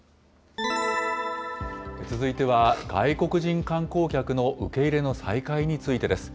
続いては、外国人観光客の受け入れの再開についてです。